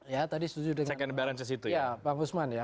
ya tadi setuju dengan pak guzman ya